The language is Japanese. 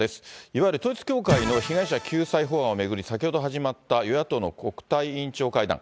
いわゆる統一教会の被害者救済法案を巡り、先ほど始まった与野党の国対委員長会談。